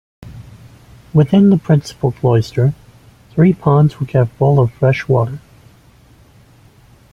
Within the principal cloister, three ponds were kept full of fresh water.